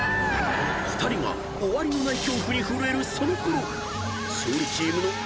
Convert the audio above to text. ［２人が終わりのない恐怖に震えるそのころ］